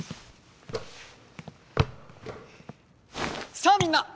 さあみんな！